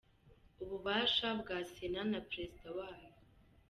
Ububasha bwa Sena na Perezida wayo